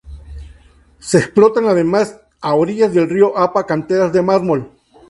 Se explotan además, a orillas del río Apa canteras de mármol.